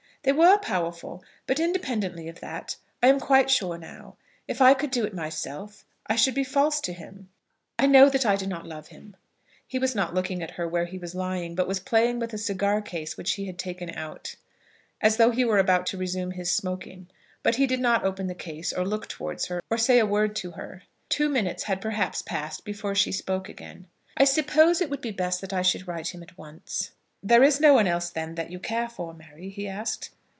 "They were powerful; but, independently of that, I am quite sure now. If I could do it myself, I should be false to him. I know that I do not love him." He was not looking at her where he was lying, but was playing with a cigar case which he had taken out, as though he were about to resume his smoking. But he did not open the case, or look towards her, or say a word to her. Two minutes had perhaps passed before she spoke again. "I suppose it would be best that I should write to him at once?" "There is no one else, then, you care for, Mary?" he asked.